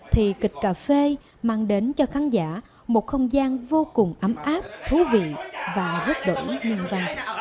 thì kịch cà phê mang đến cho khán giả một không gian vô cùng ấm áp thú vị và rất đỡ nhân văn